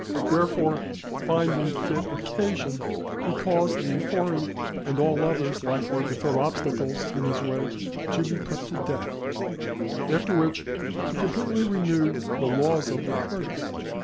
Wherefore, finding fit occasion, he caused the Ephori and all others likely to throw obstacles in his way, to be put to death; after which, he completely renewed the laws of Lycurgus.